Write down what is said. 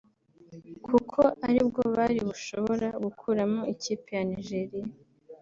kuko ari bwo bari bushobora gukuramo ikipe ya Nigeria